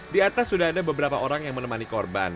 di atas sudah ada beberapa orang yang menemani korban